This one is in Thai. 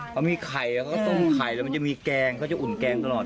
เขามีไข่แล้วเขาต้มไข่แล้วมันจะมีแกงเขาจะอุ่นแกงตลอด